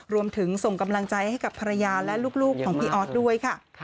ส่งกำลังใจให้กับภรรยาและลูกของพี่ออสด้วยค่ะ